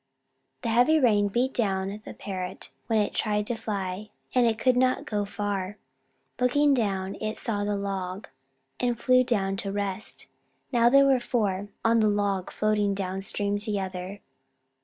The heavy rain beat down the Parrot when it tried to fly, and it could not go far. Looking down it saw the log and flew down to rest. Now there were four on the log floating down stream together.